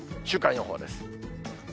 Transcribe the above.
週間予報です。